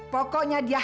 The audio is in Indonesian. pokoknya dia harus